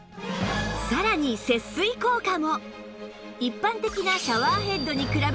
さらに節水効果も！